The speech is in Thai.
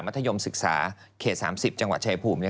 มัธยมศึกษาเขต๓๐จังหวัดชายภูมิ